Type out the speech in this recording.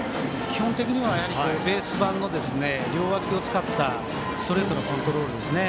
基本的にはベース板の両脇を使ったストレートのコントロールですね。